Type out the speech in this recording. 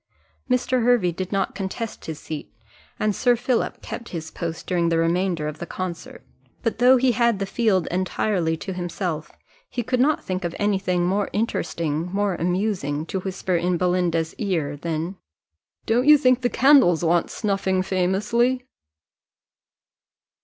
Mr. Hervey did not contest his seat, and Sir Philip kept his post during the remainder of the concert; but, though he had the field entirely to himself, he could not think of any thing more interesting, more amusing, to whisper in Belinda's ear, than, "Don't you think the candles want snuffing famously?"